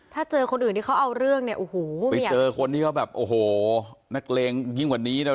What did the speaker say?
ถ้าเจอคนอื่นที่เขาเอาเรื่องเนี่ยโอ้โหไปเจอคนที่เขาแบบโอ้โหนักเลงยิ่งกว่านี้นะ